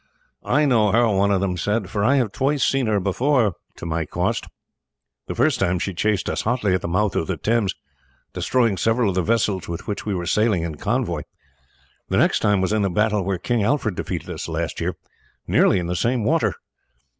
"I know her," one of them said, "for I have twice seen her before to my cost. The first time she chased us hotly at the mouth of the Thames, destroying several of the vessels with which we were sailing in convoy. The next time was in the battle where King Alfred defeated us last year, nearly in the same water.